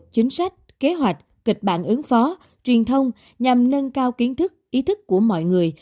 chính sách kế hoạch kịch bản ứng phó truyền thông nhằm nâng cao kiến thức ý thức của mọi người